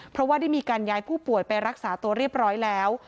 เพราะว่าได้มีการย้ายผู้ป่วยไปรักษาตัวเรียบร้อยแล้ว